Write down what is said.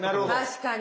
確かに。